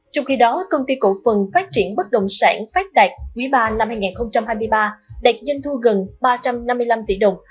trong khi đó công ty cổ phần phát triển bất động sản phát đạt quý ba năm hai nghìn hai mươi ba đạt doanh thu gần ba trăm năm mươi năm tỷ đồng